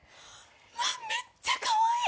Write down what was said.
めっちゃかわいい！